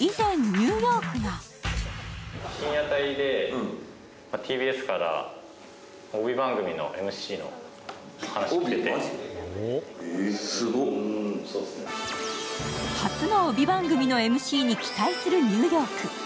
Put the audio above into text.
以前、ニューヨークが初の帯番組のＭＣに期待するニューヨーク。